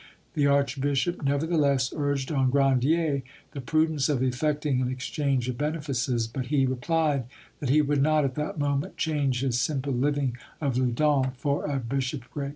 The archbishop nevertheless urged on Grandier the prudence of effecting an exchange of benefices, but he replied that he would not at that moment change his simple living of Loudun for a bishopric.